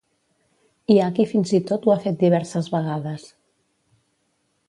Hi ha qui fins i tot ho ha fet diverses vegades.